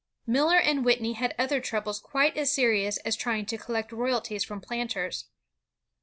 Miller and Whitney had other troubles quite as serious as trying to collect royalties from planters.